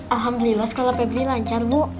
alhamdulillah sekolah pebri lancar bu